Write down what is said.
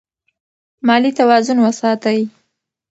مالي توازن وساتئ.